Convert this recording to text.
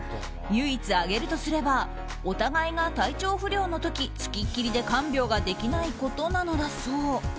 唯一、挙げるとすればお互いが体調不良の時つきっきりで看病ができないことなのだそう。